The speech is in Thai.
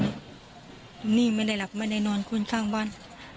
นี่ไม่ได้หลับไม่ได้นอนคนข้างบ้าน